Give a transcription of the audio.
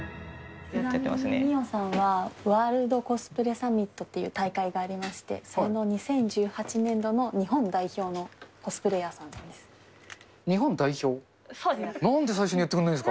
ちなみにミオさんは、ワールドコスプレサミットっていう大会がありまして、その２０１８年度の日本代表のコスプレイヤーさんなんです。